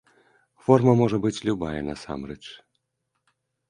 Форма можа быць любая насамрэч.